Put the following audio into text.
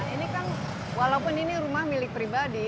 ini kan walaupun ini rumah milik pribadi